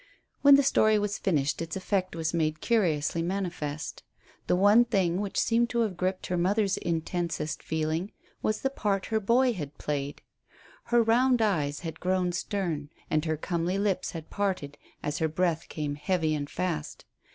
When the story was finished its effect was made curiously manifest. The one thing which seemed to have gripped her mother's intensest feeling was the part her boy had played. Her round eyes had grown stern, and her comely lips had parted as her breath came heavy and fast.